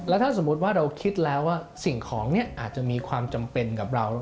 ถ้าสมมุติว่าเราคิดแล้วว่าสิ่งของเนี่ยอาจจะมีความจำเป็นกับเรา